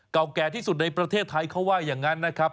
เก่าแก่ที่สุดในประเทศไทยเขาว่าอย่างนั้นนะครับ